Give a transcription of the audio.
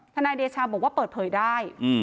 นายเดชาบอกว่าเปิดเผยได้